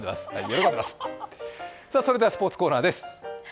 それではスポーツコーナーです。